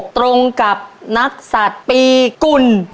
ตรงกับนักศัตริย์ปีกุล